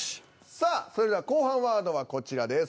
さあそれでは後半ワードはこちらです。